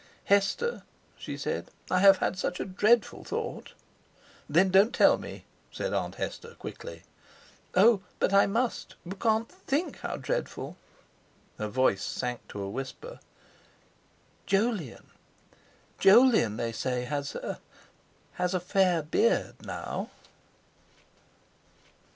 "Hester," she said, "I have had such a dreadful thought." "Then don't tell me," said Aunt Hester quickly. "Oh! but I must. You can't think how dreadful!" Her voice sank to a whisper: "Jolyon—Jolyon, they say, has a—has a fair beard, now."